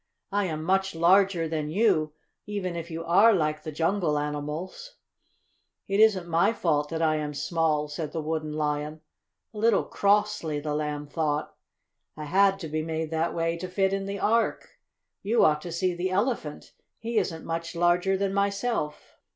"I am much larger than you, even if you are like the jungle animals." "It isn't my fault that I am small," said the Wooden Lion, a little crossly, the Lamb thought. "I had to be made that way to fit in the Ark. You ought to see the Elephant. He isn't much larger than myself!"